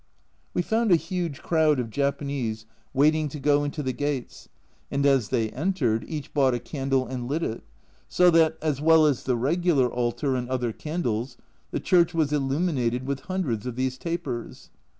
We found a huge crowd of Japanese waiting to go into the gates, and as they entered each bought a candle and lit it, so that, as well as the regular 152 A Journal from Japan altar and other candles, the church was illumin ated with hundreds of these tapers.